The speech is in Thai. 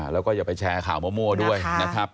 แล้วก็อย่าไปแชร์ข่าวมั่วด้วยนะครับ